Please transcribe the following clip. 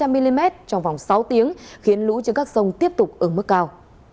ba trăm linh mm trong vòng sáu tiếng khiến lũ trên các sông tiếp tục ứng mức cao